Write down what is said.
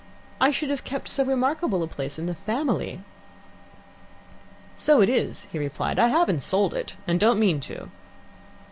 I should have kept so remarkable a place in the family." "So it is," he replied. "I haven't sold it, and don't mean to."